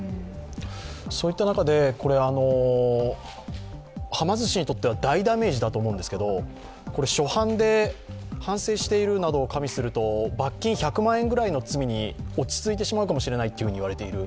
そういった中で、はま寿司にとっては大ダメージだと思うんですが初犯で反省しているなどを加味すると罰金１００万円ぐらいの罪に落ち着いてしまうかもしれないと言われている。